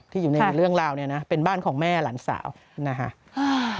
อยู่ในเรื่องราวเนี่ยนะเป็นบ้านของแม่หลานสาวนะฮะ